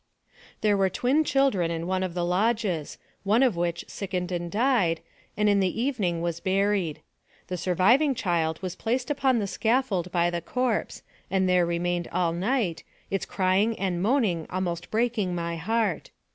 There were twin children in one of the lodges, one of which sickened and died, and in the evening was buried. The surviving child was placed upon the scaffold by the corpse, and there remained all night, its crying and moaning almost breaking my heart.